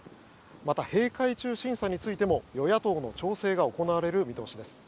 また、閉会中審査についても与野党の調整が行われる見通しです。